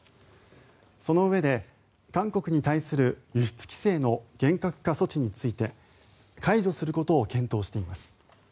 そのうえで、韓国に対する輸出規制の厳格化措置について解除することを検討しています。